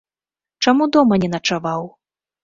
Чаму дома не начаваў?